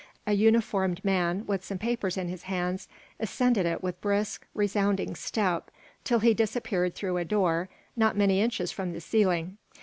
A uniformed man, with some papers in his hands, ascended it with brisk, resounding step till he disappeared through a door not many inches from the ceiling.